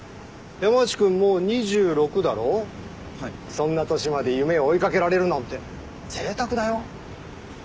そんな年まで夢を追い掛けられるなんてぜいたくだよ。